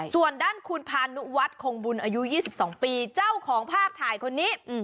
ส่วนด้านคุณพานุวัฒน์คงบุญอายุ๒๒ปีเจ้าของภาพถ่ายคนนี้